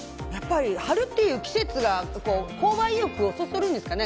春っていう季節が購買意欲をそそるんですかね。